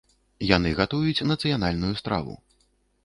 Яны гатуюць нацыянальную страву.